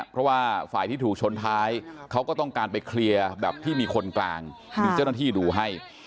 เพราะว่าฝ่ายที่ถูกชนท้ายเขาก็ต้องการไปเคลียร์แบบที่มีคนกลางมีเจ้าหน้าที่ดูให้